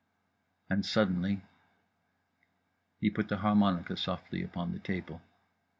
… and suddenly: He put the harmonica softly upon the table.